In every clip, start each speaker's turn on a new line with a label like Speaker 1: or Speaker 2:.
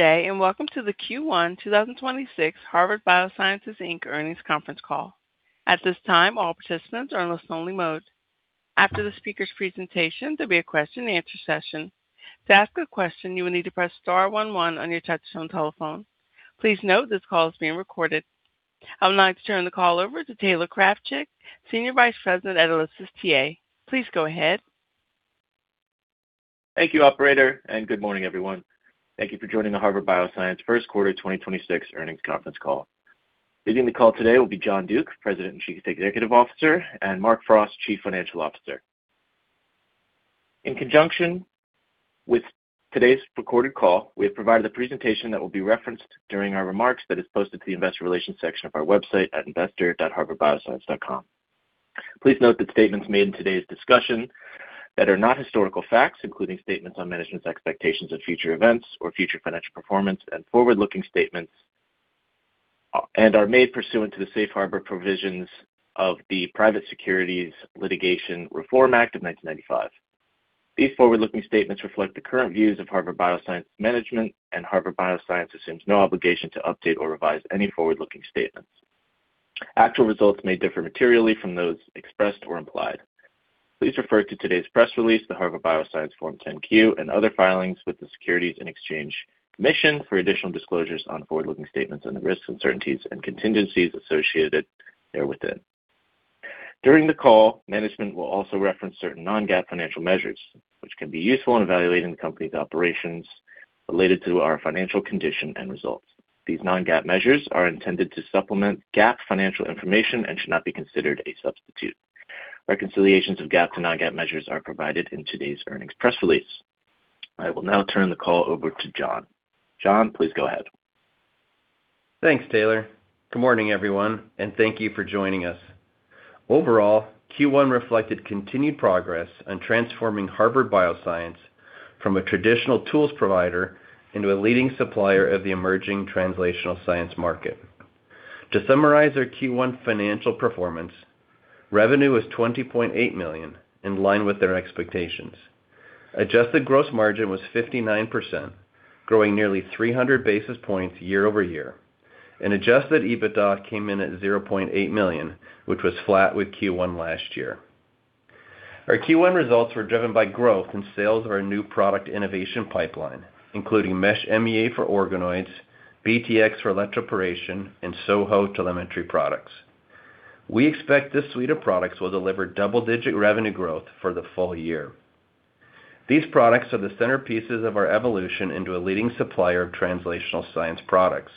Speaker 1: Good day, and welcome to the Q1 2026 Harvard Bioscience, Inc. earnings conference call. I would like to turn the call over to Taylor Krafchik, Senior Vice President at ICR Westwicke. Please go ahead.
Speaker 2: Thank you, operator. Good morning, everyone. Thank you for joining the Harvard Bioscience first quarter 2026 earnings conference call. Leading the call today will be John Duke, President and Chief Executive Officer, and Mark Frost, Chief Financial Officer. In conjunction with today's recorded call, we have provided a presentation that will be referenced during our remarks that is posted to the investor relations section of our website at investor.harvardbioscience.com. Please note that statements made in today's discussion that are not historical facts, including statements on management's expectations of future events or future financial performance and forward-looking statements, and are made pursuant to the safe harbor provisions of the Private Securities Litigation Reform Act of 1995. These forward-looking statements reflect the current views of Harvard Bioscience management, and Harvard Bioscience assumes no obligation to update or revise any forward-looking statements. Actual results may differ materially from those expressed or implied. Please refer to today's press release, the Harvard Bioscience Form 10-Q, and other filings with the Securities and Exchange Commission for additional disclosures on forward-looking statements and the risks, uncertainties and contingencies associated therewithin. During the call, management will also reference certain non-GAAP financial measures, which can be useful in evaluating the company's operations related to our financial condition and results. These non-GAAP measures are intended to supplement GAAP financial information and should not be considered a substitute. Reconciliations of GAAP to non-GAAP measures are provided in today's earnings press release. I will now turn the call over to John. John, please go ahead.
Speaker 3: Thanks, Taylor. Good morning, everyone, and thank you for joining us. Overall, Q1 reflected continued progress on transforming Harvard Bioscience from a traditional tools provider into a leading supplier of the emerging translational science market. To summarize our Q1 financial performance, revenue was $20.8 million, in line with their expectations. Adjusted gross margin was 59%, growing nearly 300 basis points year-over-year, and adjusted EBITDA came in at $0.8 million, which was flat with Q1 last year. Our Q1 results were driven by growth in sales of our new product innovation pipeline, including Mesh MEA for organoids, BTX for electroporation, and SoHo telemetry products. We expect this suite of products will deliver double-digit revenue growth for the full year. These products are the centerpieces of our evolution into a leading supplier of translational science products.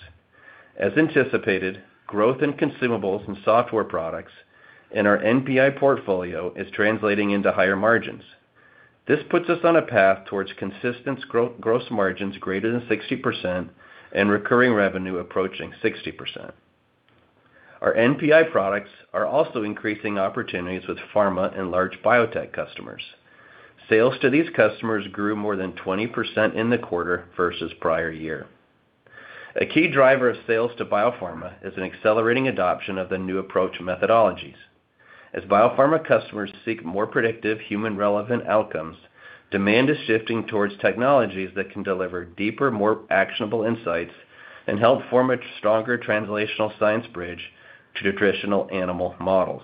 Speaker 3: As anticipated, growth in consumables and software products in our NPI portfolio is translating into higher margins. This puts us on a path towards consistent gross margins greater than 60% and recurring revenue approaching 60%. Our NPI products are also increasing opportunities with pharma and large biotech customers. Sales to these customers grew more than 20% in the quarter versus prior year. A key driver of sales to biopharma is an accelerating adoption of the New Approach Methodologies. As biopharma customers seek more predictive human-relevant outcomes, demand is shifting towards technologies that can deliver deeper, more actionable insights and help form a stronger translational science bridge to traditional animal models.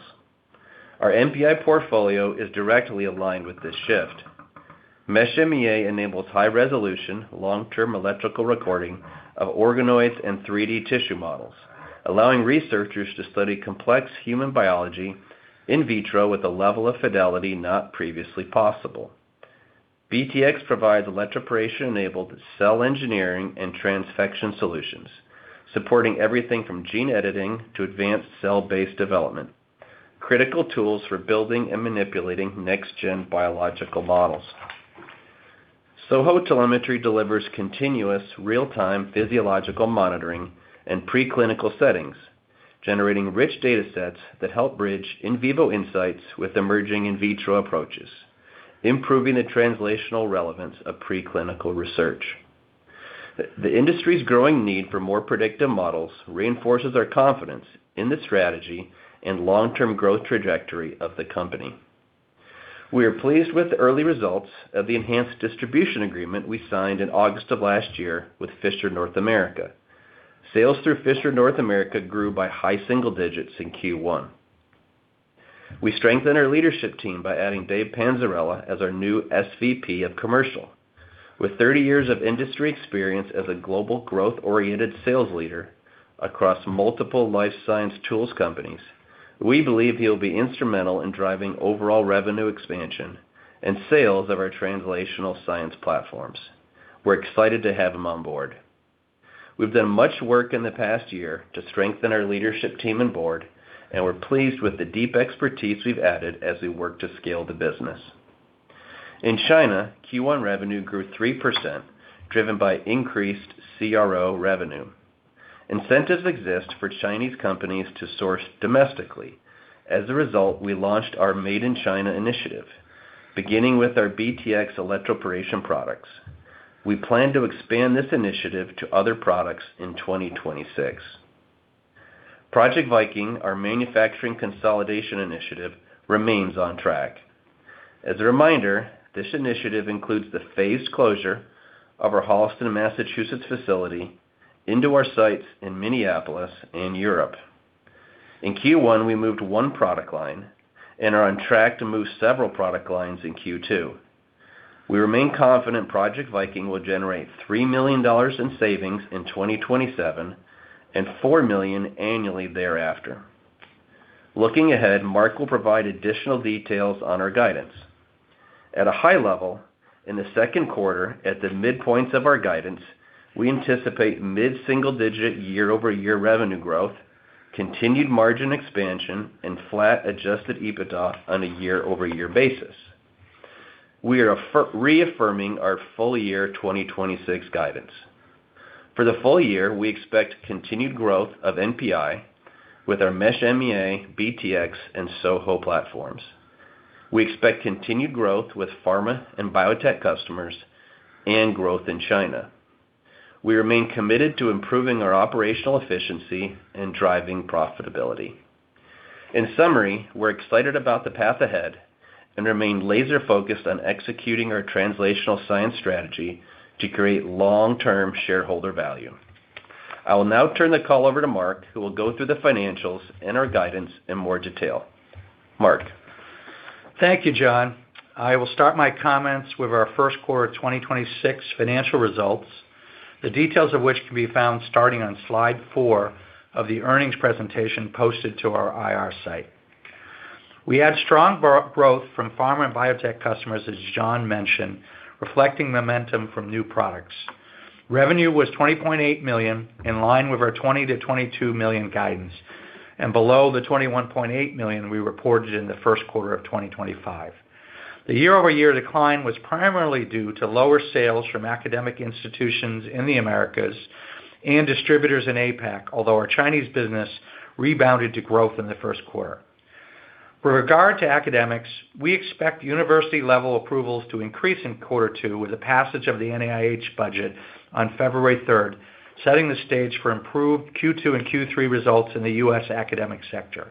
Speaker 3: Our NPI portfolio is directly aligned with this shift. Mesh MEA enables high resolution, long-term electrical recording of organoids and 3D tissue models, allowing researchers to study complex human biology in vitro with a level of fidelity not previously possible. BTX provides electroporation-enabled cell engineering and transfection solutions, supporting everything from gene editing to advanced cell-based development, critical tools for building and manipulating next-gen biological models. SoHo Telemetry delivers continuous real-time physiological monitoring in preclinical settings, generating rich data sets that help bridge in vivo insights with emerging in vitro approaches, improving the translational relevance of preclinical research. The industry's growing need for more predictive models reinforces our confidence in the strategy and long-term growth trajectory of the company. We are pleased with the early results of the enhanced distribution agreement we signed in August of last year with Fisher North America. Sales through Fisher North America grew by high single digits in Q1. We strengthened our leadership team by adding David Panzarella as our new SVP of Commercial. With 30 years of industry experience as a global growth-oriented sales leader across multiple life science tools companies, we believe he will be instrumental in driving overall revenue expansion and sales of our translational science platforms. We're excited to have him on board. We've done much work in the past year to strengthen our leadership team and board, and we're pleased with the deep expertise we've added as we work to scale the business. In China, Q1 revenue grew 3%, driven by increased CRO revenue. Incentives exist for Chinese companies to source domestically. As a result, we launched our Made in China Initiative, beginning with our BTX electroporation products. We plan to expand this initiative to other products in 2026. Project Viking, our manufacturing consolidation initiative, remains on track. As a reminder, this initiative includes the phased closure of our Holliston, Massachusetts facility into our sites in Minneapolis and Europe. In Q1, we moved one product line and are on track to move several product lines in Q2. We remain confident Project Viking will generate $3 million in savings in 2027 and $4 million annually thereafter. Looking ahead, Mark will provide additional details on our guidance. At a high level, in the second quarter, at the midpoints of our guidance, we anticipate mid-single-digit year-over-year revenue growth, continued margin expansion, and flat adjusted EBITDA on a year-over-year basis. We are reaffirming our full year 2026 guidance. For the full year, we expect continued growth of NPI with our Mesh MEA, BTX, and SoHo platforms. We expect continued growth with pharma and biotech customers and growth in China. We remain committed to improving our operational efficiency and driving profitability. In summary, we're excited about the path ahead and remain laser-focused on executing our translational science strategy to create long-term shareholder value. I will now turn the call over to Mark, who will go through the financials and our guidance in more detail. Mark.
Speaker 4: Thank you, John. I will start my comments with our first quarter of 2026 financial results, the details of which can be found starting on slide four of the earnings presentation posted to our IR site. We had strong growth from pharma and biotech customers, as John mentioned, reflecting momentum from new products. Revenue was $20.8 million, in line with our $20 million-$22 million guidance, below the $21.8 million we reported in the first quarter of 2025. The year-over-year decline was primarily due to lower sales from academic institutions in the Americas and distributors in APAC, although our Chinese business rebounded to growth in the first quarter. With regard to academics, we expect university-level approvals to increase in Q2 with the passage of the NIH budget on February 3rd, setting the stage for improved Q2 and Q3 results in the U.S. academic sector.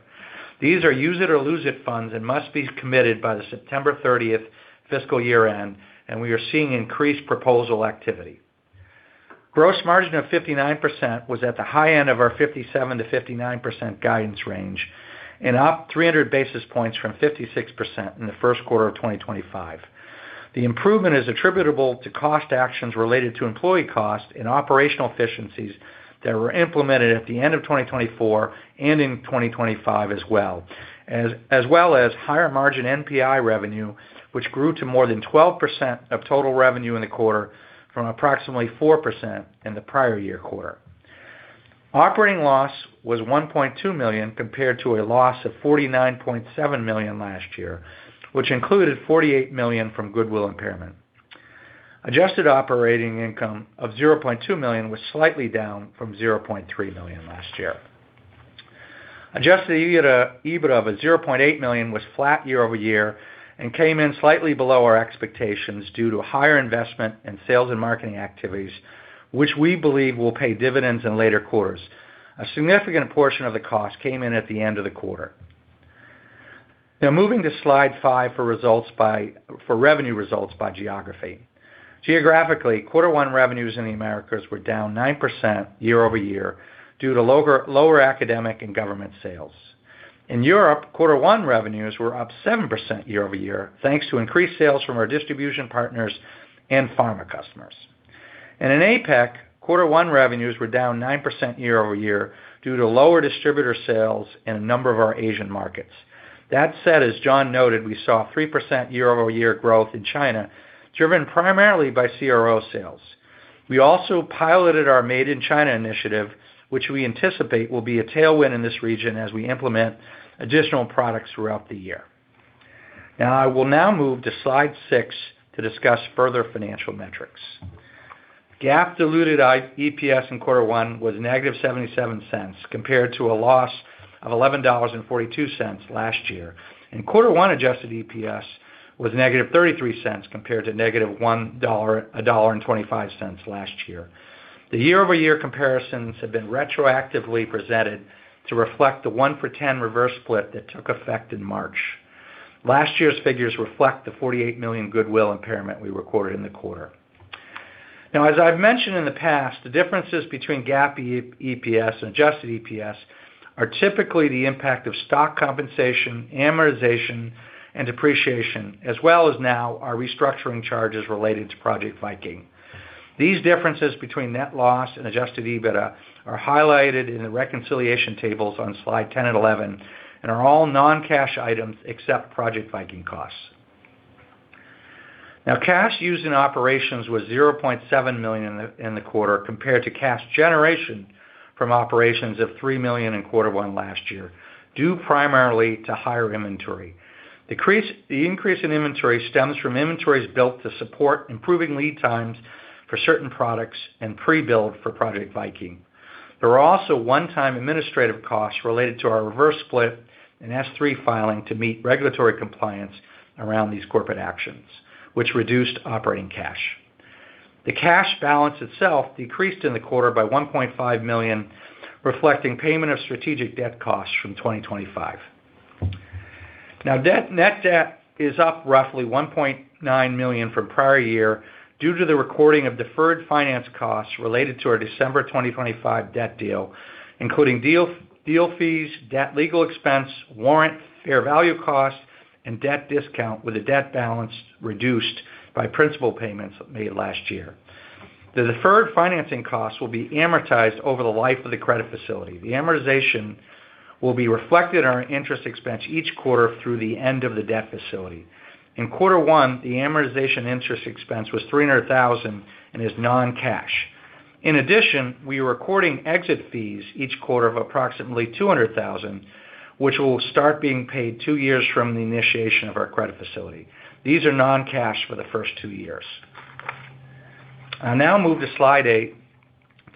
Speaker 4: These are use-it-or-lose-it funds and must be committed by the September 30th fiscal year-end, and we are seeing increased proposal activity. Gross margin of 59% was at the high end of our 57%-59% guidance range and up 300 basis points from 56% in Q1 of 2025. The improvement is attributable to cost actions related to employee costs and operational efficiencies that were implemented at the end of 2024 and in 2025 as well. As well as higher-margin NPI revenue, which grew to more than 12% of total revenue in the quarter from approximately 4% in the prior year quarter. Operating loss was $1.2 million compared to a loss of $49.7 million last year, which included $48 million from goodwill impairment. Adjusted operating income of $0.2 million was slightly down from $0.3 million last year. Adjusted EBITDA, EBITA of $0.8 million was flat year-over-year and came in slightly below our expectations due to higher investment in sales and marketing activities, which we believe will pay dividends in later quarters. A significant portion of the cost came in at the end of the quarter. Now moving to slide five for revenue results by geography. Geographically, quarter one revenues in the Americas were down 9% year-over-year due to lower academic and government sales. In Europe, quarter one revenues were up 7% year-over-year, thanks to increased sales from our distribution partners and pharma customers. In APAC, quarter one revenues were down 9% year-over-year due to lower distributor sales in a number of our Asian markets. That said, as John Duke noted, we saw 3% year-over-year growth in China, driven primarily by CRO sales. We also piloted our Made in China Initiative, which we anticipate will be a tailwind in this region as we implement additional products throughout the year. I will now move to slide six to discuss further financial metrics. GAAP diluted EPS in quarter one was -$0.77 compared to a loss of $11.42 last year. In quarter one, adjusted EPS was -$0.33 compared to -$1.25 last year. The year-over-year comparisons have been retroactively presented to reflect the 1-for-10 reverse split that took effect in March. Last year's figures reflect the $48 million goodwill impairment we recorded in the quarter. As I've mentioned in the past, the differences between GAAP EPS and adjusted EPS are typically the impact of stock compensation, amortization, and depreciation, as well as our restructuring charges related to Project Viking. These differences between net loss and adjusted EBITDA are highlighted in the reconciliation tables on slide 10 and 11 and are all non-cash items except Project Viking costs. Cash used in operations was $0.7 million in the quarter compared to cash generation from operations of $3 million in quarter one last year, due primarily to higher inventory. The increase in inventory stems from inventories built to support improving lead times for certain products and pre-build for Project Viking. There were also one-time administrative costs related to our reverse split and S-3 filing to meet regulatory compliance around these corporate actions, which reduced operating cash. The cash balance itself decreased in the quarter by $1.5 million, reflecting payment of strategic debt costs from 2025. Now, net debt is up roughly $1.9 million from prior year due to the recording of deferred finance costs related to our December 2025 debt deal, including deal fees, debt legal expense, warrant, fair value cost, and debt discount, with a debt balance reduced by principal payments made last year. The deferred financing costs will be amortized over the life of the credit facility. The amortization will be reflected on our interest expense each quarter through the end of the debt facility. In quarter one, the amortization interest expense was $300,000 and is non-cash. In addition, we are recording exit fees each quarter of approximately $200,000, which will start being paid two years from the initiation of our credit facility. These are non-cash for the first two years. I'll now move to slide eight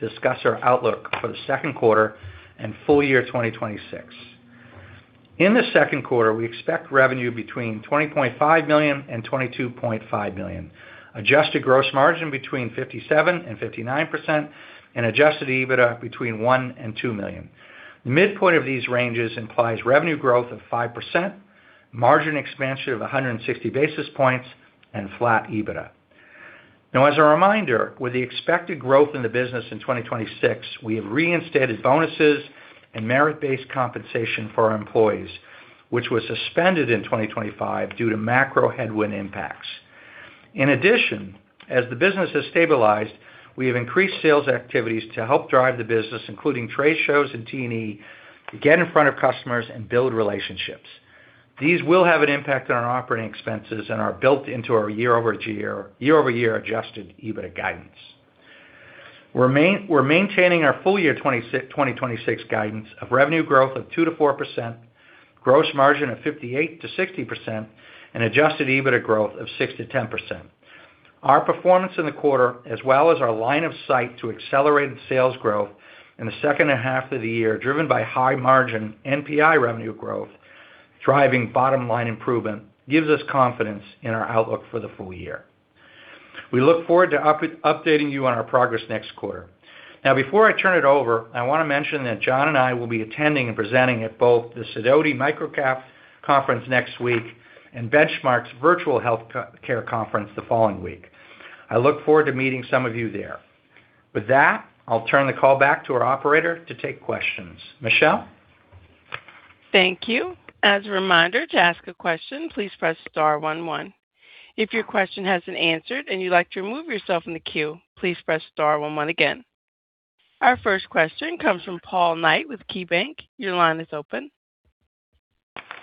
Speaker 4: to discuss our outlook for the second quarter and full year 2026. In the second quarter, we expect revenue between $20.5 million and $22.5 million, adjusted gross margin between 57% and 59%, and adjusted EBITDA between $1 million and $2 million. The midpoint of these ranges implies revenue growth of 5%, margin expansion of 160 basis points, and flat EBITDA. As a reminder, with the expected growth in the business in 2026, we have reinstated bonuses and merit-based compensation for our employees, which was suspended in 2025 due to macro headwind impacts. In addition, as the business has stabilized, we have increased sales activities to help drive the business, including trade shows and T&E, to get in front of customers and build relationships. These will have an impact on our operating expenses and are built into our year-over-year adjusted EBITDA guidance. We're maintaining our full year 2026 guidance of revenue growth of 2%-4%, gross margin of 58%-60%, and adjusted EBITDA growth of 6%-10%. Our performance in the quarter, as well as our line of sight to accelerated sales growth in the second half of the year, driven by high-margin NPI revenue growth, driving bottom-line improvement, gives us confidence in our outlook for the full year. We look forward to updating you on our progress next quarter. Now, before I turn it over, I want to mention that John and I will be attending and presenting at both the Sidoti Micro-Cap Conference next week and Benchmark's Virtual Healthcare Conference the following week. I look forward to meeting some of you there. With that, I'll turn the call back to our operator to take questions. Michelle?
Speaker 1: Thank you. As a reminder, to ask a question, please press star one one. If your question hasn't answered and you'd like to remove yourself from the queue, please press star one one again. Our first question comes from Paul Knight with KeyBanc. Your line is open.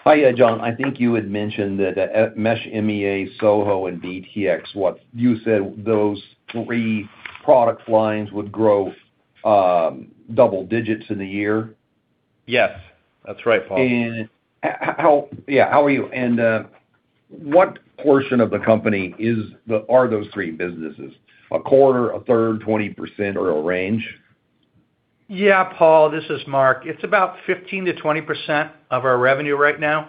Speaker 5: Hi, John. I think you had mentioned that, Mesh MEA, SoHo, and BTX, what you said those three product lines would grow, double digits in the year.
Speaker 3: Yes. That's right, Paul.
Speaker 5: Yeah. What portion of the company are those three businesses? A quarter, 1/3, 20%, or a range?
Speaker 4: Yeah, Paul, this is Mark. It's about 15%-20% of our revenue right now.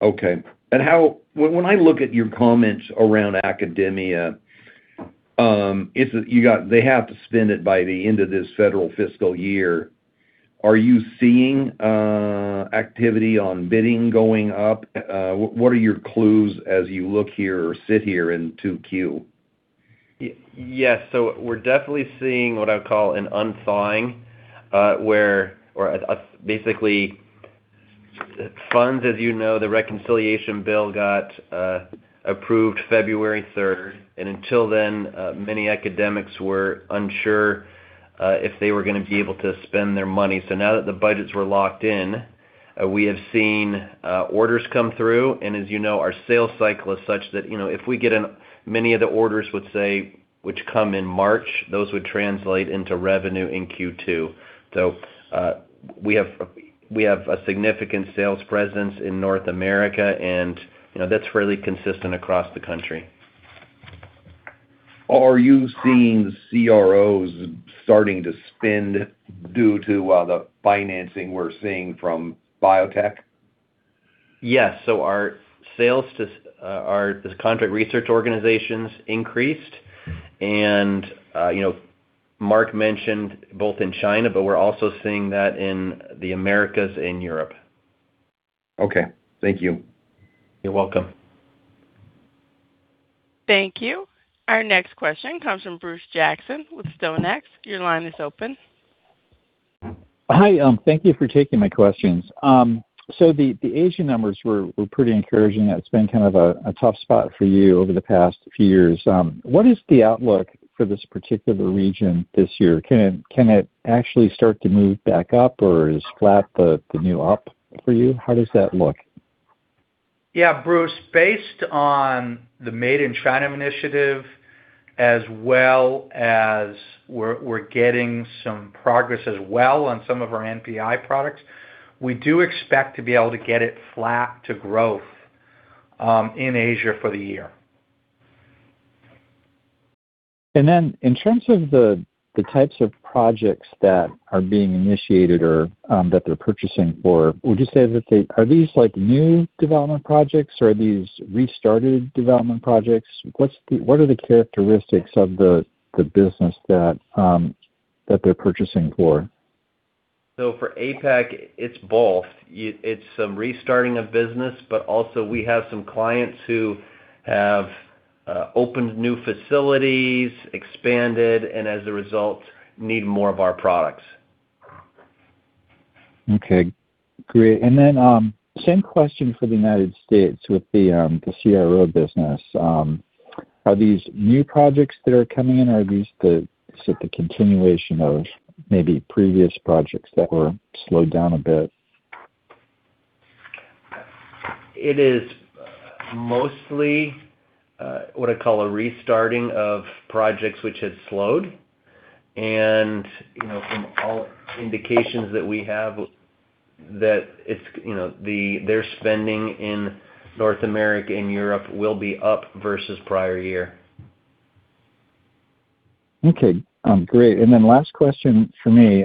Speaker 5: Okay. When I look at your comments around academia, they have to spend it by the end of this federal fiscal year. Are you seeing activity on bidding going up? What are your clues as you look here or sit here in 2Q?
Speaker 3: Yes. We're definitely seeing what I would call an unthawing, basically, funds, as you know, the reconciliation bill got approved February 3rd. Until then, many academics were unsure if they were gonna be able to spend their money. Now that the budgets were locked in, we have seen orders come through. As you know, our sales cycle is such that, you know, if we get many of the orders, let's say, which come in March, those would translate into revenue in Q2. We have a significant sales presence in North America, and, you know, that's fairly consistent across the country.
Speaker 5: Are you seeing CROs starting to spend due to the financing we're seeing from biotech?
Speaker 3: Yes. Our sales to these contract research organizations increased. You know, Mark mentioned both in China, but we're also seeing that in the Americas and Europe.
Speaker 5: Okay. Thank you.
Speaker 3: You're welcome.
Speaker 1: Thank you. Our next question comes from Bruce Jackson with StoneX. Your line is open.
Speaker 6: Hi. Thank you for taking my questions. The Asia numbers were pretty encouraging. It's been kind of a tough spot for you over the past few years. What is the outlook for this particular region this year? Can it actually start to move back up, or is flat the new up for you? How does that look?
Speaker 4: Yeah, Bruce, based on the Made in China Initiative, as well as we're getting some progress as well on some of our NPI products, we do expect to be able to get it flat to growth in Asia for the year.
Speaker 6: In terms of the types of projects that are being initiated or, that they're purchasing for, would you say, are these, like, new development projects, or are these restarted development projects? What are the characteristics of the business that they're purchasing for?
Speaker 3: For APAC, it's both. It's some restarting of business, but also we have some clients who have opened new facilities, expanded, and as a result, need more of our products.
Speaker 6: Okay, great. Same question for the United States with the CRO business. Are these new projects that are coming in? Are these the sort of the continuation of maybe previous projects that were slowed down a bit?
Speaker 3: It is mostly, what I call a restarting of projects which had slowed. You know, from all indications that we have, that it's, you know, their spending in North America and Europe will be up versus prior year.
Speaker 6: Okay. Great. Last question for me.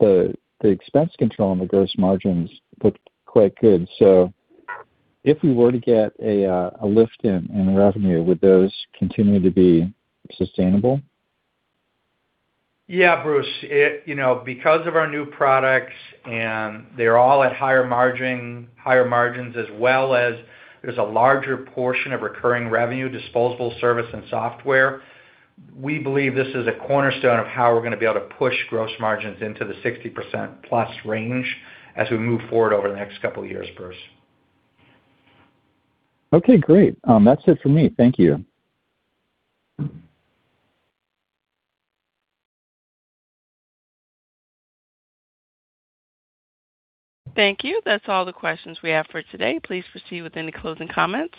Speaker 6: The expense control and the gross margins looked quite good. If we were to get a lift in revenue, would those continue to be sustainable?
Speaker 3: Yeah, Bruce. You know, because of our new products and they're all at higher margins, as well as there's a larger portion of recurring revenue, disposable service, and software, we believe this is a cornerstone of how we're gonna be able to push gross margins into the 60%+ range as we move forward over the next couple of years, Bruce.
Speaker 6: Okay, great. That's it for me. Thank you.
Speaker 1: Thank you. That's all the questions we have for today. Please proceed with any closing comments.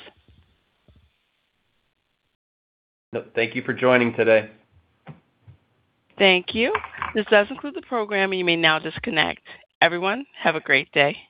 Speaker 3: No. Thank you for joining today.
Speaker 1: Thank you. This does conclude the program. You may now disconnect. Everyone, have a great day.